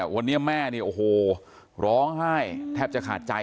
วันนี้แม่ร้องไห้แทบจะขาดใจ